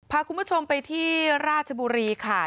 พาคุณผู้ชมไปที่ราชบุรีค่ะ